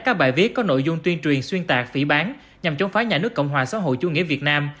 các bài viết có nội dung tuyên truyền xuyên tạc phỉ bán nhằm chống phá nhà nước cộng hòa xã hội chủ nghĩa việt nam